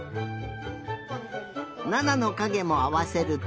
奈々のかげもあわせると。